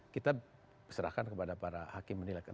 kita serahkan kepada para hakim menilai